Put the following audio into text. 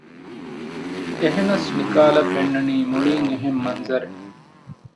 އެހެނަސް ނިކާލަށް ފެންނަނީ މުޅީން އެހެން މަންޒަރެއް